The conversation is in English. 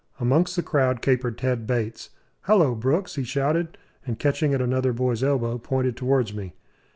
Amongst the crowd capered Ted Bates. "Hallo, Brooks!" he shouted, and, catching at another boy's elbow, pointed towards me.